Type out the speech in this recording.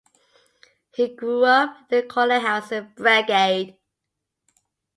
He grew up in the Collin House in Bredgade.